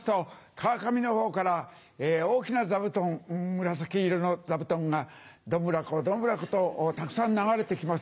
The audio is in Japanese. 川上のほうから大きな座布団紫色の座布団がどんぶらこどんぶらことたくさん流れて来ます。